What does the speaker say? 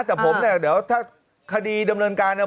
แต่ผมเนี่ยเดี๋ยวถ้าคดีดำเนินการเนี่ย